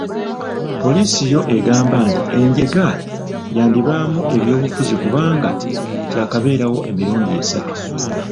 Poliisi yo egamba nti enjega yandibaamu ebyobufuzi kuba kyakabeerawo emirundi esatu.